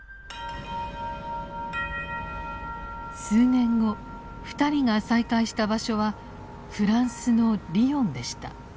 数年後二人が再会した場所はフランスのリヨンでした。